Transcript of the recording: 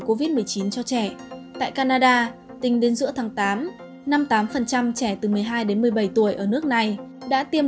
covid một mươi chín cho trẻ tại canada tính đến giữa tháng tám năm mươi tám trẻ từ một mươi hai đến một mươi bảy tuổi ở nước này đã tiêm